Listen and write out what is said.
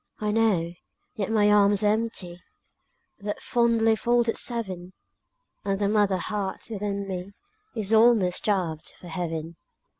I know, yet my arms are empty, That fondly folded seven, And the mother heart within me Is almost starved for heaven.